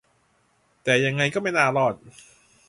แต่ยังไงก็ไม่น่ารอด